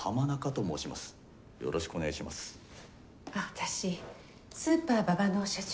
私スーパー馬場の社長を。